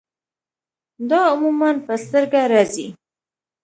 دا عموماً پۀ سترګه راځي